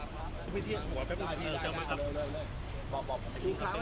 พูดช้านะครับคุณภูมิ